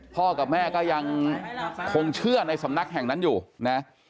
พ่อกับแม่ก็ยังคงเชื่อในสำนักแห่งนั้นอยู่นะ